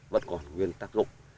vẫn còn nguyên tác dụng